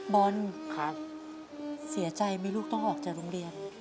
บอลเสียใจไหมลูกต้องออกจากโรงเรียน